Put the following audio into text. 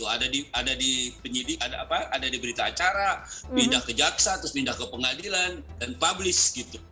ada di penyidik ada di berita acara pindah ke jaksa terus pindah ke pengadilan dan publis gitu